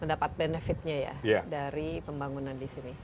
mendapat benefitnya ya dari pembangunan di sini